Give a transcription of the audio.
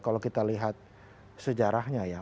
kalau kita lihat sejarahnya ya